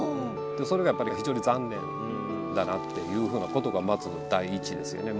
それがやっぱり非常に残念だなっていうふうなことがまず第一ですよね。